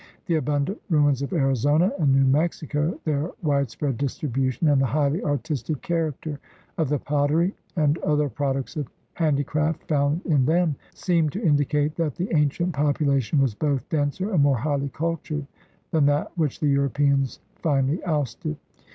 The abundant ruins of Arizona and New Mexico, their widespread distribution, and the highly artistic character of the pottery and other products of handicraft found in them seem to indicate that the ancient popula tion was both denser and more highly cultured than that which the Europeans finally ousted.